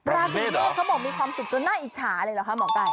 ราศีเมษเขาบอกมีความสุขจนน่าอิจฉาเลยเหรอคะหมอไก่